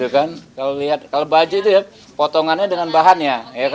kalau baju itu ya potongannya dengan bahannya